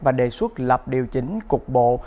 và đề xuất lập điều chỉnh cục bộ